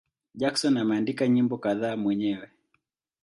Jackson ameandika nyimbo kadhaa mwenyewe.